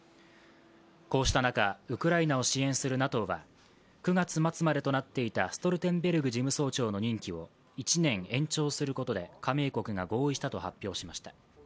こうした中、ウクライナを支援するＮＡＴＯが９月末までとなっていたストルテンベルグ事務総長の任期を１年延長することで加盟国が合意したと発表しました。